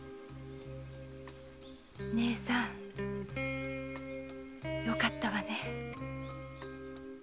姉さんよかったわね。